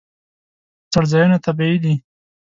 څړځایونه طبیعي دي.